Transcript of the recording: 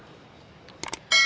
dan dia perlu diterapi lagi